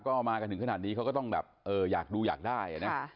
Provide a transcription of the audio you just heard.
ก็มาถึงขนาดนี้เขาก็ต้องอยากดูอยากได้